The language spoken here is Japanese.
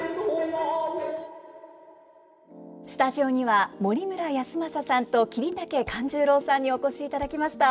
スタジオには森村泰昌さんと桐竹勘十郎さんにお越しいただきました。